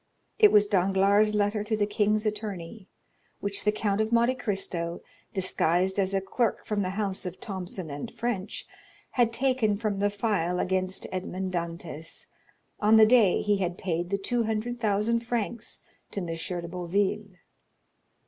It was Danglars' letter to the king's attorney, which the Count of Monte Cristo, disguised as a clerk from the house of Thomson & French, had taken from the file against Edmond Dantès, on the day he had paid the two hundred thousand francs to M. de Boville.